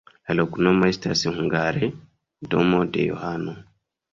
La loknomo estas hungare: domo de Johano.